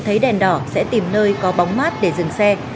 thấy đèn đỏ sẽ tìm nơi có bóng mát để dừng xe